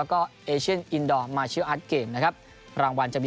และก็แอเซ่นอินดอร์มาตยอร์ตเกมส์เขาผลงานได้